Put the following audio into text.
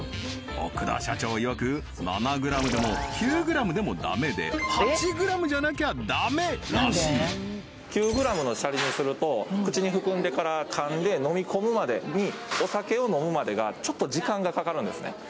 奥田社長いわく７ｇでも９ｇでもダメで８ｇじゃなきゃダメらしい９ｇのシャリにすると口に含んでからかんで飲み込むまでにお酒を飲むまでがちょっと時間がかかるんですね